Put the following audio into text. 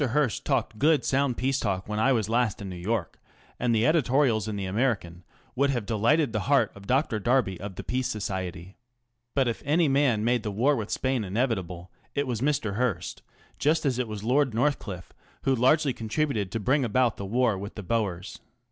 Hearst talked good sound peace talk when I was last in New York, and the editorials in the American would have delighted the heart of Dr. Darby of the Peace Society. Put if any man made the war with Spain inevitable it was Mr. Hearst, just as it was Lord NorthclifTe who largely contributed to bring about the war with the Poers.